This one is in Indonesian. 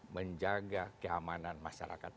menjaga keamanan masyarakat